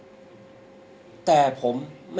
คุณพูดไว้แล้วตั้งแต่ต้นใช่ไหมคะ